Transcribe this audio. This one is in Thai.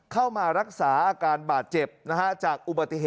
เข้ามารักษาการบาดเจ็บจาก